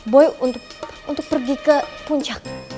boy untuk pergi ke puncak